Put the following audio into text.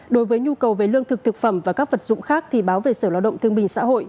đối với nhu cầu về lương thực thực phẩm và các vật dụng khác thì báo về sở lao động thương bình xã hội